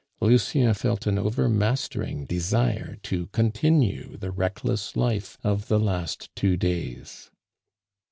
Lucien felt an overmastering desire to continue the reckless life of the last two days.